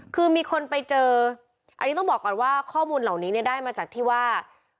คือมีคนไปเจออันนี้ต้องบอกก่อนว่าข้อมูลเหล่านี้เนี่ยได้มาจากที่ว่า